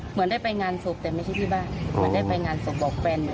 เหมือนได้ไปงานศพแต่ไม่ใช่ที่บ้านเหมือนได้ไปงานศพบอกแฟน